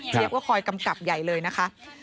ก็คอยกำกับใหญ่เลยนะคะ